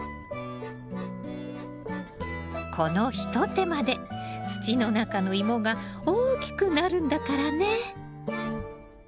この一手間で土の中のイモが大きくなるんだからね！